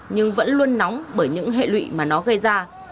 nhưng vẫn luôn nóng bởi những hệ lụy mà nóng